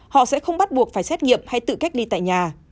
họ sẽ không bắt buộc phải xét nghiệm hay tự cách ly tại nhà